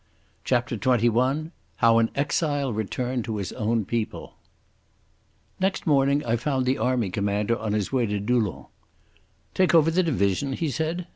CHAPTER XXI How an Exile Returned to His Own People Next morning I found the Army Commander on his way to Doullens. "Take over the division?" he said.